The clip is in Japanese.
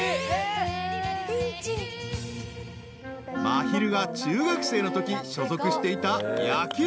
［まひるが中学生のとき所属していた］